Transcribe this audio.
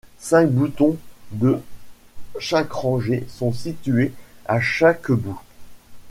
Cinq boutons de chaque rangée sont situés à chaque bout.